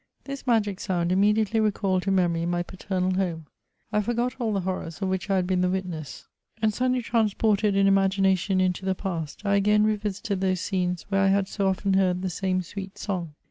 This magic sound immediately recalled to memory my paternal home ; I forgot all the horrors of which I had been the witness, and, CHATEAUBRIAND. 1 1 7 suddenly transported in imagination into the past, I again revisited those scenes where I had so often heard the same sweet song.